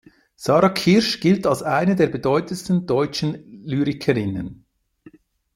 Sarah Kirsch gilt als eine der bedeutendsten deutschen Lyrikerinnen.